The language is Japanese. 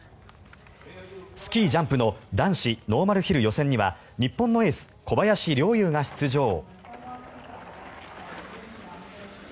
スキージャンプの男子ノーマルヒル予選には日本のエース、小林陵侑が出場。